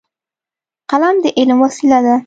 قلم د علم وسیله ده.